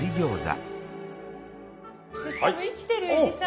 生きてるえびさん。